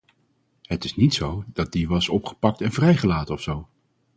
Het is niet zo dat die was opgepakt en vrijgelaten of zo.